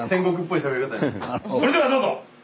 それではどうぞ！